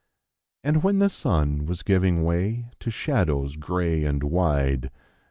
And when the sun was giving shadows gray and wide.